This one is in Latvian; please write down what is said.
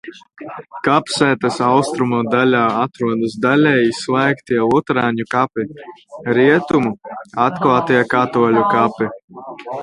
Kapsētas austrumu daļā atrodas daļēji slēgtie luterāņu kapi, rietumu – atklātie katoļu kapi.